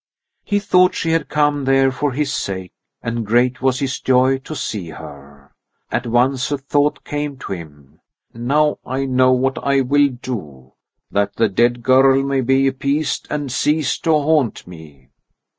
He thought she had come there for his sake, and great was his joy to see her. At once a thought came to him: "Now I know what I will do, that the dead girl may be appeased and cease to haunt me."